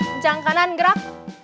kencang kanan gerak